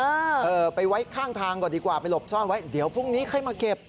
เออเออไปไว้ข้างทางก่อนดีกว่าไปหลบซ่อนไว้เดี๋ยวพรุ่งนี้ค่อยมาเก็บ